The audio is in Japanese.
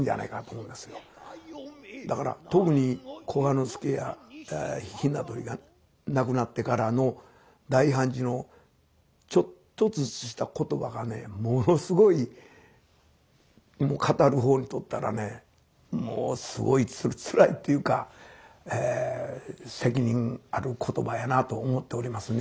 だから特に久我之助や雛鳥が亡くなってからの大判事のちょっとずつした言葉がねものすごい語る方にとったらねもうすごいつらいというか責任ある言葉やなと思っておりますね